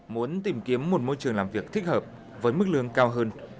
muốn tìm kiếm một môi trường làm việc thích hợp với mức lương cao hơn